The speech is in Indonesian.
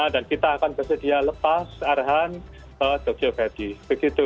dan kita akan bersedia lepas arhan ke tokyo verudy